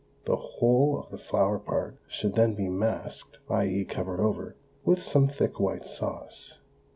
The whole of the flower part should then be masked (i.e., covered over) with some thick white sauce.